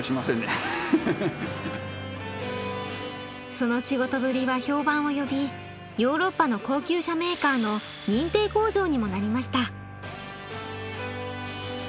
その仕事ぶりは評判を呼びヨーロッパの高級車メーカーの認定工場にもなりました。